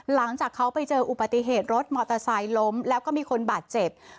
หลังจากเขาไปเจออุปติเหตุรถมอเตอร์ไซค์ล้มแล้วก็มีคนบาดเจ็บ